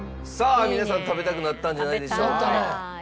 皆さん食べたくなったんじゃないでしょうか。